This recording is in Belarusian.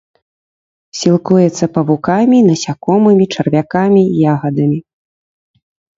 Сілкуецца павукамі, насякомымі, чарвякамі, ягадамі.